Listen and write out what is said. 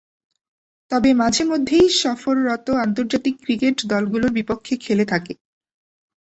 তবে, মাঝে-মধ্যেই সফররত আন্তর্জাতিক ক্রিকেট দলগুলোর বিপক্ষে খেলে থাকে।